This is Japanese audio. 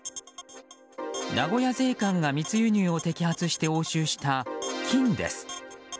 名古屋税関が密輸入を摘発して押収した金です。